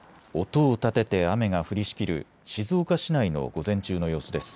音を立てて雨が降りしきる静岡市内の午前中の様子です。